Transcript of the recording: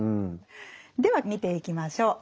では見ていきましょう。